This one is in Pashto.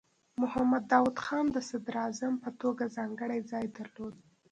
محمد داؤد خان د صدراعظم په توګه ځانګړی ځای درلود.